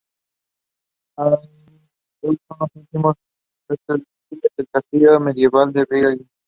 Hoy son los únicos restos visibles de un castillo medieval en Vilna.